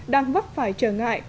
đang vấp phải trở ngại